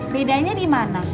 bedanya di mana